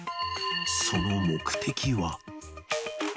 その目的は。